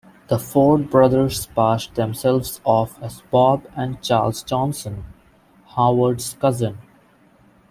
The Ford brothers passed themselves off as Bob and Charles Johnson, Howard's cousins.